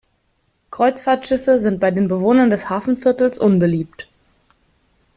Kreuzfahrtschiffe sind bei den Bewohnern des Hafenviertels unbeliebt.